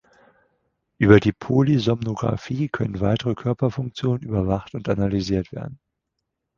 Über die Polysomnographie können weitere Körperfunktionen überwacht und analysiert werden.